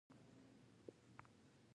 د سیالۍ او شریکۍ ژوند بده پایله لري.